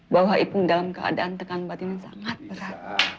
bahwa ipung dalam keadaan tekan batin sangat berat